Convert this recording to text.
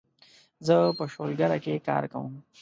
زه په شولګره کې کار کوم